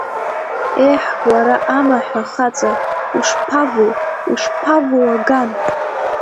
Ееҳ, уара, амаҳә ахаҵа, ушԥавоу, ушԥавоу аган!